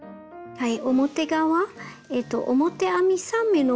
はい。